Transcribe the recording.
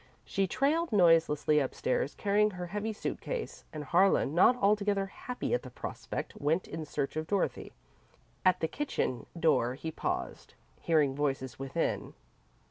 She trailed noiselessly upstairs, carrying her heavy suit case, and Harlan, not altogether happy at the prospect, went in search of Dorothy. At the kitchen door he paused, hearing voices within.